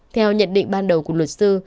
theo nhận định ban đầu của luật sư